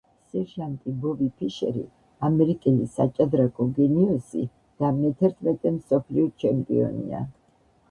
სერჟანტი ბობი ფიშერი ამერიკელი საჭადრაკო გენიოსი და მეთერთმეტე მსოფლიო ჩემპიონია